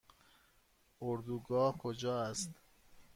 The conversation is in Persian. اردوگاه کجا است؟